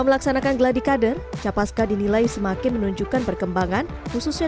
melaksanakan gladi kader capas steady nilai semakin menunjukkan perkembangan khususnya